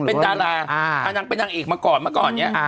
เป็นดาราอันนางเป็นนางเอกมาก่อนอย่างนี้